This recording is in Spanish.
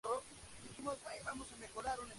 La ciudad lenta, de clase media afable.